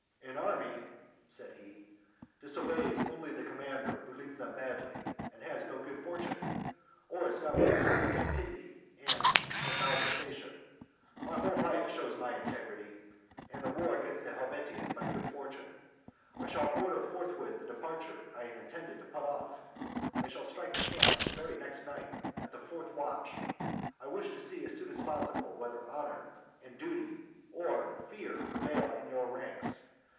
"An army," said he, "disobeys only the commander who leads them badly and has no good fortune, or is found guilty of cupidity and malversation. My whole life shows my integrity, and the war against the Helvetians my good fortune. I shall order forthwith the departure I had intended to put off. I shall strike the camp the very next night, at the fourth watch; I wish to see as soon as possible whether honor and duty or fear prevail in your ranks.